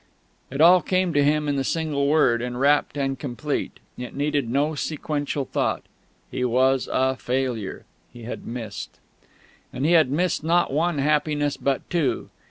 It all came to him in the single word, enwrapped and complete; it needed no sequential thought; he was a failure. He had missed.... And he had missed not one happiness, but two.